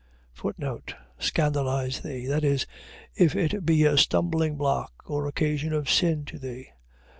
Scandalize thee. . .That is, if it be a stumblingblock, or occasion of sin to thee.